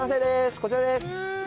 こちらです。